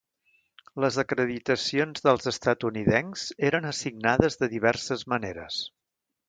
Les acreditacions dels estatunidencs eren assignades de diverses maneres.